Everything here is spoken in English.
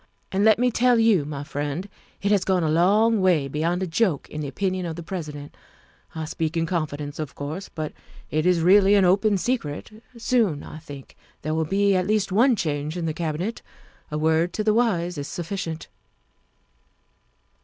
And let me tell you, my friend, it has gone a long way beyond a joke in the opinion of the President. I speak in confidence, of course, but it is really an open secret. Soon, I think, there will be at least one change in the Cabinet. A word to the wise is sufficient."